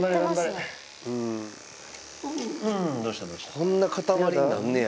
こんな塊になんねや。